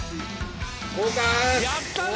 やったね